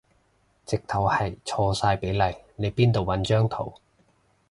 直頭係錯晒比例，你邊度搵張圖